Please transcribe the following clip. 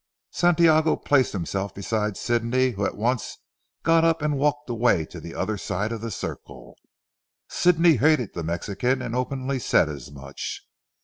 Santiago placed himself beside Sidney who at once got up and walked away to the other side of the circle. Sidney hated the Mexican, and openly said as much.